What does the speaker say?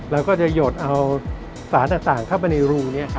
แล้วก็จะหยดเอาสารต่างเข้าไปในรูนี้